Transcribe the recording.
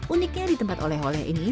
uniknya di tempat oleh oleh ini